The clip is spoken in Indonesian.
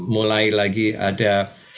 mulai lagi ada